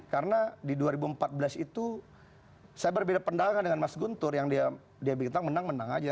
karena di dua ribu empat belas itu saya berbeda pendangan dengan mas guntur yang dia bilang menang menang saja